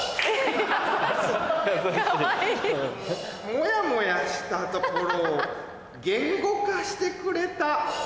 モヤモヤしたところを言語化してくれた。